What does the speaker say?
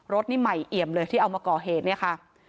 รถนี่ใหม่เอี่ยมเลยที่เอามาก่อเหตุเนี่ยค่ะ